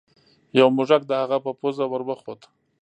یو موږک د هغه په پوزه ور وخوت.